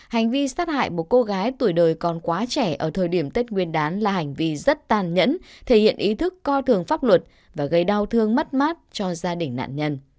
hành vi sát hại một cô gái tuổi đời còn quá trẻ ở thời điểm tết nguyên đán là hành vi rất tàn nhẫn thể hiện ý thức coi thường pháp luật và gây đau thương mất mát cho gia đình nạn nhân